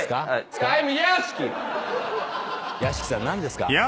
何ですか？